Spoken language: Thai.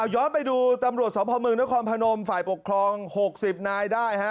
ย้อนไปดูตำรวจสพเมืองนครพนมฝ่ายปกครอง๖๐นายได้ฮะ